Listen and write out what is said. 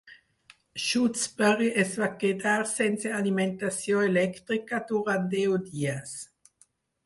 Shutesbury es va quedar sense alimentació elèctrica durant deu dies.